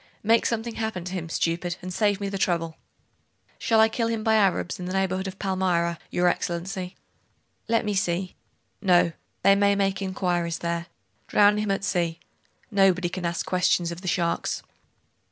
Make something happen to him, stupid, and save me the trouble.' 'Shall I kill him by Arabs in the neighbourhood of Palmyra, your Excellency?' 'Let me see.... No. They may make inquiries there. Drown him at sea. Nobody can ask questions of the sharks.